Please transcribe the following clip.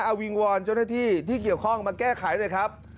เอาวิงวอนเจ้าหน้าที่ที่เกี่ยวข้องมาแก้ไขหน่อยครับ